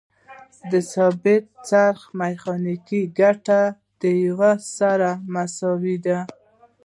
د ثابت څرخ میخانیکي ګټه د یو سره مساوي ده.